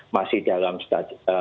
masih dalam stasiun